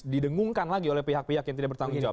didengungkan lagi oleh pihak pihak yang tidak bertanggung jawab